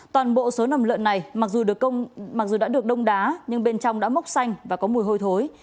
toàn bộ số nầm lợn này mặc dù đã được đông đá nhưng bên trong đã mốc xanh và có mùi hôi thối